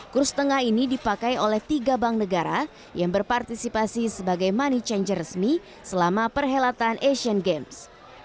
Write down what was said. kurs tengah ini dipakai oleh tiga bank negara yang berpartisipasi sebagai money changer resmi selama perhelatan asian games